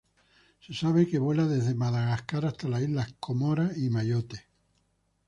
Se sabe que vuela desde Madagascar hasta las islas Comoras y Mayotte.